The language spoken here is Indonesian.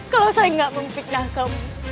kalau saya tidak memfiknah kamu